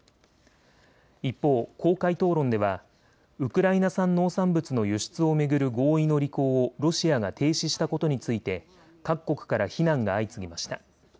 一方、公開討論ではウクライナ産農産物の輸出を巡る合意の履行をロシアが停止したことについて各国から非難が相次ぎました。